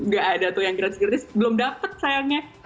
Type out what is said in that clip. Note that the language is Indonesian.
gak ada tuh yang gratis gratis belum dapat sayangnya